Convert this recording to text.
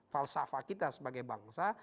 falsafah kita sebagai bangsa